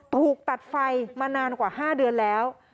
ถูกตัดไฟมานานกว่า๕เดือนแล้ว